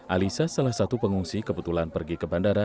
alisa salah satu pengungsi kebetulan pergi ke bandara